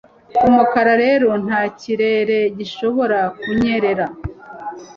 Umukara rero nta kirere gishobora kunyerera.